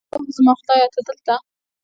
جميلې وويل:: اوه، زما خدایه، ته دلته!